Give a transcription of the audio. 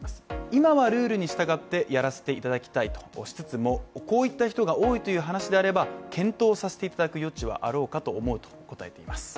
今はルールに従ってやらせていただきたいと押しつつも、こういった人が多いという話であれば、検討させていただく余地はあろうかと思うと答えています。